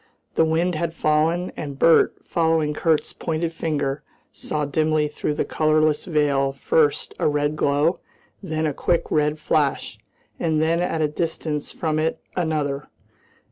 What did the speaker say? The wind had fallen, and Bert, following Kurt's pointing finger, saw dimly through the colourless veil first a red glow, then a quick red flash, and then at a little distance from it another.